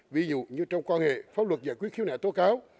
ví dụ như trong quan hệ pháp luật giải quyết khiếu nại tố cáo